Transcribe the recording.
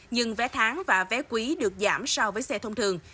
nhưng vé tháng và vé quý được giảm so với xe thông thường